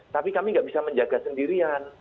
tapi kami nggak bisa menjaga sendirian